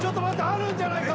あるんじゃないか？